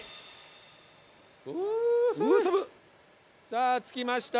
さあ着きました。